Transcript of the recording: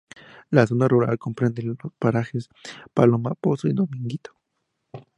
La zona rural comprende los parajes Paloma Pozo y Dominguito.